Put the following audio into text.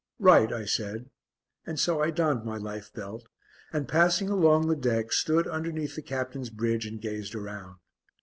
"Right," I said, and so I donned my life belt, and passing along the deck stood underneath the Captain's bridge and gazed around.